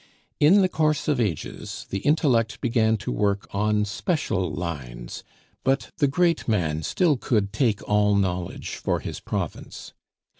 In the course of ages the intellect began to work on special lines, but the great man still could "take all knowledge for his province."